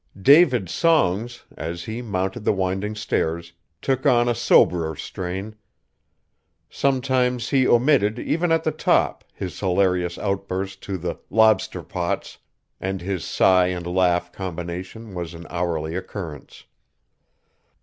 David's songs, as he mounted the winding stairs, took on a soberer strain. Sometimes he omitted, even at the top, his hilarious outburst to the "lobster pots;" and his sigh and laugh combination was an hourly occurrence.